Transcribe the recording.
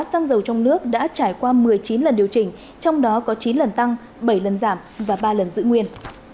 xăng dầu trong nước đã trải qua một mươi chín lần điều chỉnh trong đó có chín lần tăng bảy lần giảm và ba lần giữ nguyên